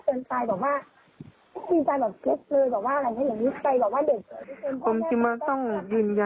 ใช่น้องเขาบอกอย่างนี้นะ